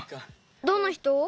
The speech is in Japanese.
どんな人？